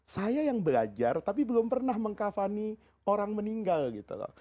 saya yang belajar tapi belum pernah mengkafani orang meninggal gitu loh